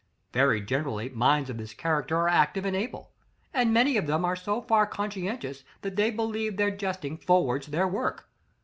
Very generally minds of this character are active and able; and many of them are so far conscientious, that they believe their jesting forwards their work.